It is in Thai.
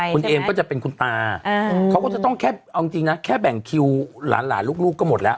คุณเอมก็จะเป็นคุณตาเขาก็จะต้องแค่เอาจริงนะแค่แบ่งคิวหลานลูกก็หมดแล้ว